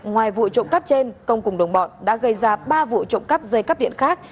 ngoài vụ trộm cắp trên công cùng đồng bọn đã gây ra ba vụ trộm cắp dây cắp điện khác